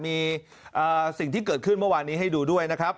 มีสิ่งที่เกิดขึ้นเมื่อวานนี้ให้ดูด้วยนะครับ